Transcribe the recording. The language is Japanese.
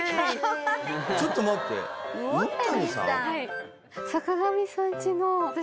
ちょっと待って「魚谷燦」？